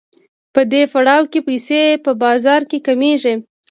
په دې پړاو کې پیسې په بازار کې کمېږي